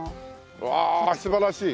うわ素晴らしい！